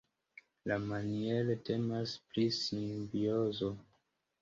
Iamaniere temas pri simbiozo.